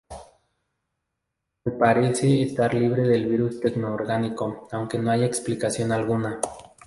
Él parece estar libre del virus tecno-orgánico, aunque no hay explicación alguna.